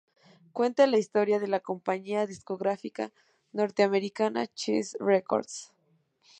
Cuenta la historia de la compañía discográfica norteamericana Chess Records.